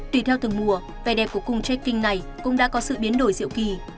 tùy theo thường mùa vẻ đẹp của cung tracking này cũng đã có sự biến đổi diệu kỳ